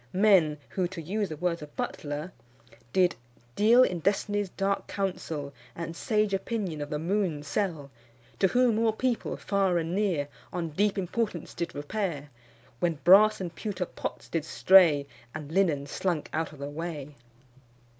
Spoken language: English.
Men who, to use the words of Butler, did "Deal in Destiny's dark counsel, And sage opinion of the moon sell; To whom all people far and near On deep importance did repair, When brass and pewter pots did stray, And linen slunk out of the way."